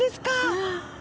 うん。